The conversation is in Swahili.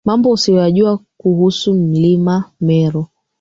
mambo usioyajua kuhusu mlima Meru